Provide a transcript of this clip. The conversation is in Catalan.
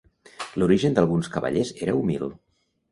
L’origen d'alguns cavallers era humil.